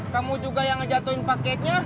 kamu juga yang ngejatuhin paketnya